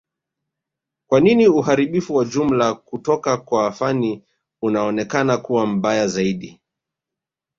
kwa nini uharibifu wa jumla kutoka kwa Fani unaonekana kuwa mbaya zaidi